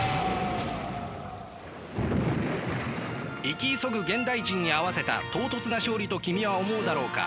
生き急ぐ現代人に合わせた唐突な勝利と君は思うだろうか。